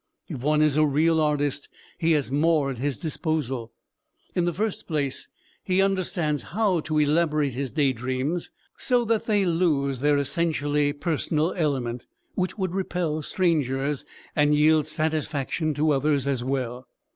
If one is a real artist he has more at his disposal. In the first place, he understands how to elaborate his day dreams so that they lose their essentially personal element, which would repel strangers, and yield satisfaction to others as well.